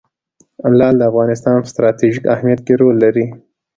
لعل د افغانستان په ستراتیژیک اهمیت کې رول لري.